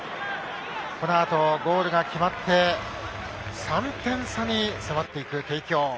このあとゴールが決まって３点差に迫っていく帝京。